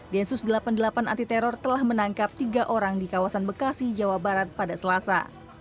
densus delapan puluh delapan anti teror telah menangkap tiga orang di kawasan bekasi jawa barat pada selasa